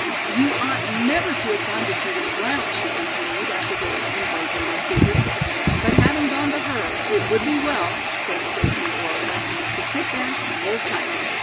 "You ought never to have gone to Judith Blount," she continued after they had unburdened their secrets. But having gone to her, "it would be well," so spake the Oracle, "to sit back and hold tight.